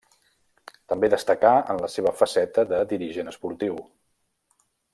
També destacà en la seva faceta de dirigent esportiu.